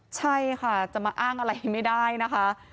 ใช่ค่ะจะมาอ้างอะไรไม่ได้นะคะ